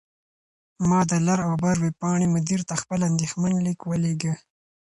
ما د «لر او بر» ویبپاڼې مدیر ته خپل اندیښمن لیک ولیږه.